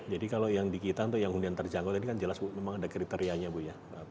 jadi kalau yang di kita untuk yang hunian terjangkau ini kan jelas bu memang ada kriterianya bu ya